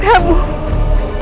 rai kian santang